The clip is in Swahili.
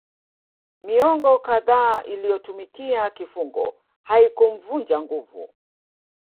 Miongo kadhaa aliyotumikia kifungo haikumvunja nguvu